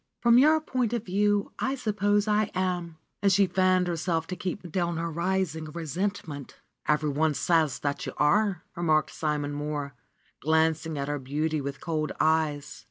^Trom your point of view, I suppose I am.'^ And she fanned herself to keep down her rising resentment. '^Every one says that you are,'' remarked Simon Mohr, glancing at her beauty with cold eyes.